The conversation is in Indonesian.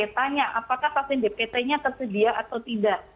tanya apakah vaksin dpt nya tersedia atau tidak